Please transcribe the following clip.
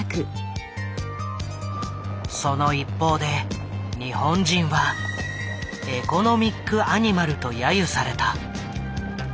その一方で日本人はエコノミック・アニマルと揶揄された。